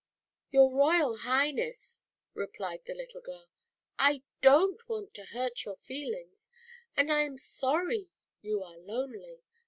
ullBYour Royal Highness," replied the girl, "I don't want to hurt your eelings, and I am sorry you are lonely.